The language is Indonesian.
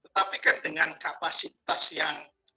tetapi kan dengan kapasitas yang